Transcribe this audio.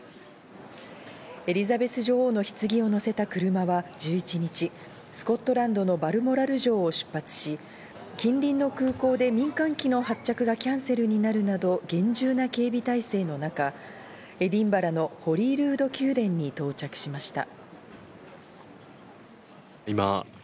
エリザベス女王の棺を乗せた車は１１日、スコットランドのバルモラル城を出発し、近隣の空港で民間機の発着がキャンセルになるなど厳重な警備態勢の中、エディンバラのホリールード宮殿に到着しました。